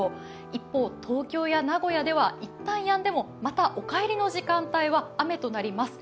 一方、東京や名古屋では一旦やんでもまたお帰りの時間帯は雨となります。